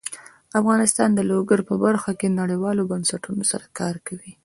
افغانستان د لوگر په برخه کې نړیوالو بنسټونو سره کار کوي.